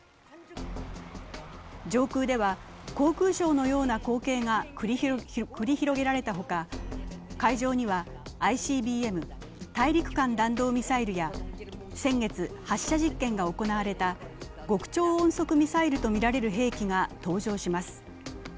上空では航空ショーのような光景が繰り広げられた他、会場にはＩＣＢＭ＝大陸間弾道ミサイルや先月、発射実験が行われた極超音速ミサイルとみられる兵器が登場します。